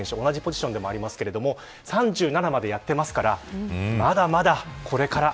同じポジションになりますが３７までやってますからまだまだ、これから。